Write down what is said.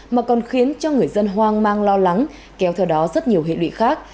mà còn khiến cho người dân hoang mang lo lắng kéo theo đó rất nhiều hệ lụy khác